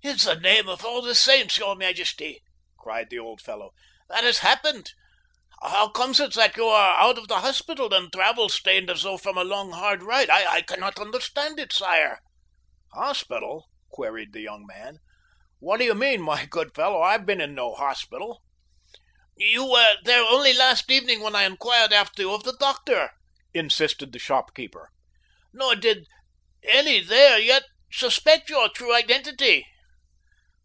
"In the name of all the saints, your majesty," cried the old fellow, "what has happened? How comes it that you are out of the hospital, and travel stained as though from a long, hard ride? I cannot understand it, sire." "Hospital?" queried the young man. "What do you mean, my good fellow? I have been in no hospital." "You were there only last evening when I inquired after you of the doctor," insisted the shopkeeper, "nor did any there yet suspect your true identity."